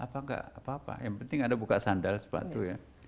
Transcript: apa nggak apa apa yang penting anda buka sandal sepatu ya